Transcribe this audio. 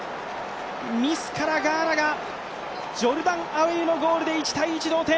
ミスからガーナがジョルダン・アイェウのゴールで１−１の同点。